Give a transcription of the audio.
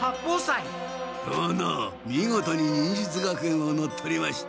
殿見事に忍術学園を乗っ取りました。